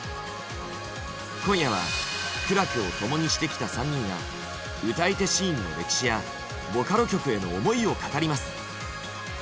今夜は苦楽を共にしてきた３人が歌い手シーンの歴史やボカロ曲への思いを語ります。